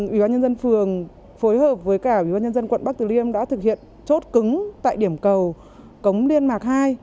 ủy ban nhân dân phường phối hợp với cả ủy ban nhân dân quận bắc từ liêm đã thực hiện chốt cứng tại điểm cầu cống liên mạc hai